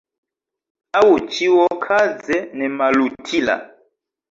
Aŭ, ĉiuokaze, nemalutila.